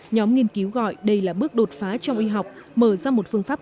nhóm nghiên cứu gọi đây là bước đột phá trong y học mở ra một phương pháp